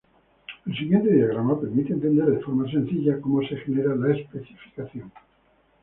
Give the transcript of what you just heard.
El siguiente diagrama permite entender de forma sencilla como se genera la especificación.